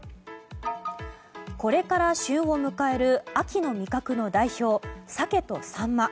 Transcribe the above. これから旬を迎える秋の味覚の代表鮭とサンマ。